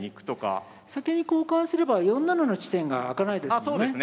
先に交換すれば４七の地点が開かないですもんね。